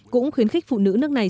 cũng khuyến khích phụ nữ nước này